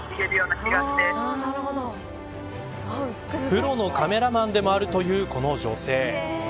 プロのカメラマンでもあるというこの女性。